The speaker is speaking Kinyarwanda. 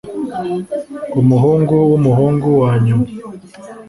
Umuhungu wumuhungu wanyuma